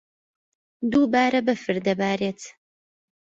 دووبارە بەفر دەبارێت.